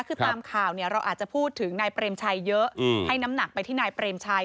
คือตามข่าวเนี่ยเราอาจจะพูดถึงนายเปรมชัยเยอะให้น้ำหนักไปที่นายเปรมชัย